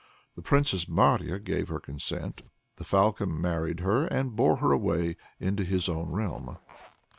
The Princess Marya gave her consent; the Falcon married her and bore her away into his own realm.